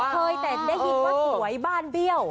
เคยแต่ได้ยินว่าสวยบ้านเบี้ยว